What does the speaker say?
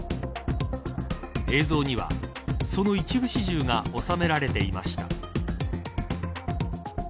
映像には、その一部始終が収められていました。